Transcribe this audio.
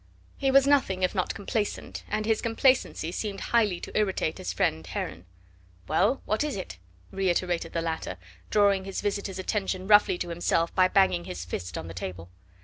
He was nothing if not complacent, and his complacency seemed highly to irritate his friend Heron. "Well, what is it?" reiterated the latter, drawing his visitor's attention roughly to himself by banging his fist on the table.